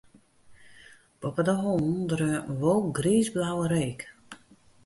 Boppe de hollen dreau in wolk griisblauwe reek.